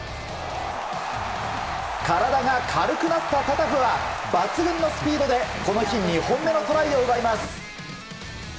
体が軽くなったタタフは抜群のスピードでこの日２本目のトライを奪います。